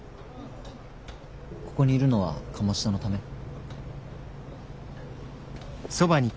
ここにいるのは鴨志田のため？